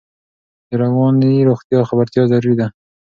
د رواني روغتیا خبرتیا ضروري ده.